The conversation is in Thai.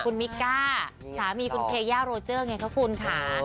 คุณมิกก้าสามีคุณเทย่าโรเจอร์ไงคะคุณค่ะ